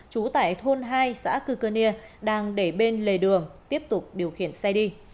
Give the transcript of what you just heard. trú tại thôn hai xã cư cơ nia đang để bên lề đường tiếp tục điều khiển xe đi